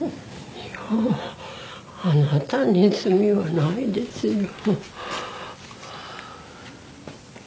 いやぁあなたに罪はないですよ。